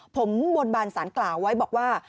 ผมบนบานสารกล่าวไว้บอกว่า